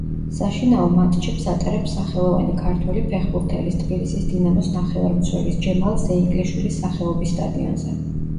საშინაო მატჩებს ატარებს სახელოვანი ქართველი ფეხბურთელის, თბილისის „დინამოს“ ნახევარმცველის, ჯემალ ზეინკლიშვილის სახელობის სტადიონზე.